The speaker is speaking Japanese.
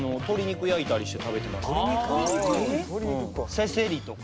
せせりとか。